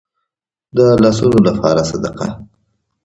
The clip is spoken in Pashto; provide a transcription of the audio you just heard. د لاسونو لپاره صدقه.